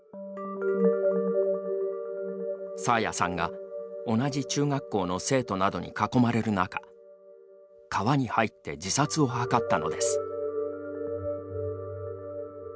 爽彩さんが、同じ中学校の生徒などに囲まれる中川に入って自殺を図ったのです。